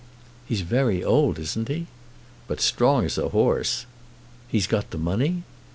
"He's very old; isn't he?" "But as strong as a horse." "He's got the money?"